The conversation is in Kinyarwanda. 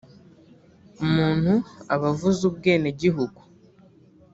umuntu aba avuze ubwenegihugu